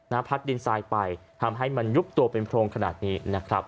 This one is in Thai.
พัดดินทรายไปทำให้มันยุบตัวเป็นโพรงขนาดนี้นะครับ